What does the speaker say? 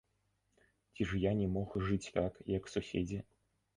Ці ж я не мог жыць так, як суседзі?